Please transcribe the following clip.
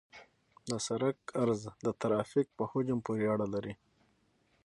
د سرک عرض د ترافیک په حجم پورې اړه لري